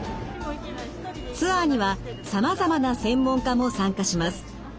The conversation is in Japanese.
ツアーにはさまざまな専門家も参加します。